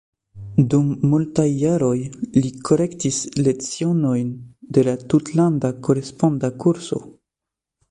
Dum multaj jaroj li korektis lecionojn de la tutlanda koresponda kurso.